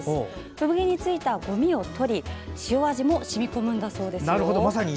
産毛についたごみを取り塩味も染み込むんだそうですよ。